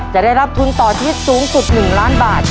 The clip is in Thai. จะได้รับทุนต่อชีวิตสูงสุด๑ล้านบาท